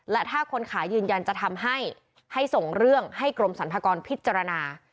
และถ้าคนขายยืนยันจะทำให้ให้ส่งเรื่องให้กรมสรรพากรพิจารณา